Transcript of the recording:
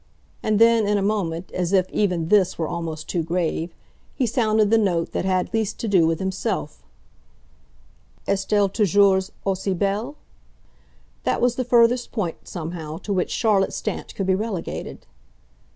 And then in a moment, as if even this were almost too grave, he sounded the note that had least to do with himself. "Est elle toujours aussi belle?" That was the furthest point, somehow, to which Charlotte Stant could be relegated.